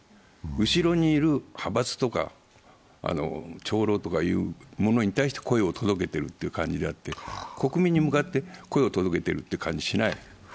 後ろにいる派閥とか長老とかいうものに対して声を届けてるって感じであって、国民に向かって声を届けているという感じがしない。